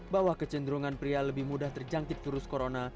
bahwa kecenderungan pria lebih mudah terjangkit virus corona